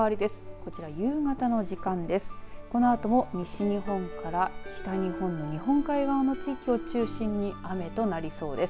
このあとも西日本から北日本の日本海側の地域を中心に雨となりそうです。